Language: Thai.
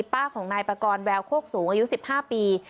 ป้าของนายปากรแววโคกสูงอายุ๑๕ปี